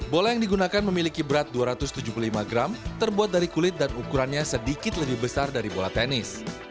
bola yang digunakan memiliki berat dua ratus tujuh puluh lima gram terbuat dari kulit dan ukurannya sedikit lebih besar dari bola tenis